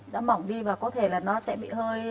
đã bỏng đi và có thể là nó sẽ bị hơi